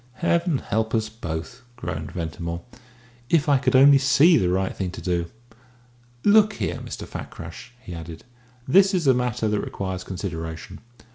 "Heaven help us both!" groaned Ventimore. "If I could only see the right thing to do. Look here, Mr. Fakrash," he added, "this is a matter that requires consideration.